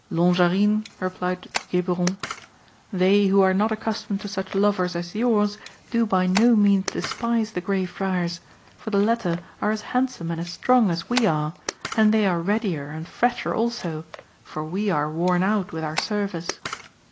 "Longarine," replied Geburon, "they who are not accustomed to such lovers as yours do by no means despise the Grey Friars, for the latter are as handsome and as strong as we are, and they are readier and fresher also, for we are worn out with our service.